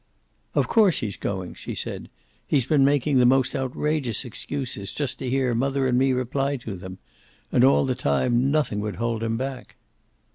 "Of course he's going," she said. "He has been making the most outrageous excuses, just to hear mother and me reply to them. And all the time nothing would hold him back."